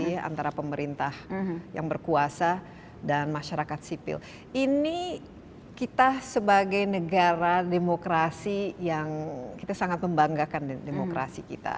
ini antara pemerintah yang berkuasa dan masyarakat sipil ini kita sebagai negara demokrasi yang kita sangat membanggakan demokrasi kita